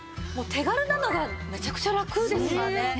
手軽なのがめちゃくちゃラクですよね。